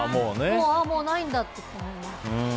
もうないんだって思います。